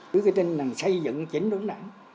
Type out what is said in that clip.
với cái tên là xây dựng chính đồng đảng